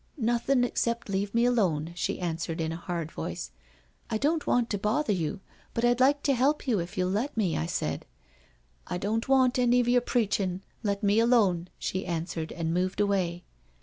' Nothing except leave me alone, she answered in a hard voice. * I don't want to bother you, but I'd like to help you if you'll let me,' I said. ' I don't want any of your preaching — let me alone,' she answered, and moved away.